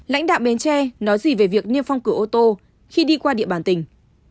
lãnh đạo bến tre nói gì về việc niêm phong cửa ô tô khi đi qua địa bàn tỉnh